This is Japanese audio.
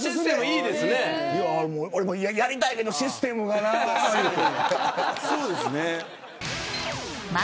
いや俺もやりたいけどシステムがなって言って。